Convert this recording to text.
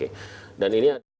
ini ini ini semua dipakai